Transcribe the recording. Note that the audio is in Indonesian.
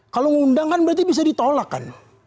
kalau ngundang kan berarti bisa ditolak kan